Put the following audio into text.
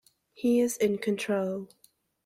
He is in control.